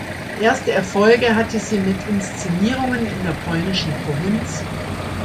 Erste Erfolge hatte sie mit Inszenierungen in der polnischen Provinz.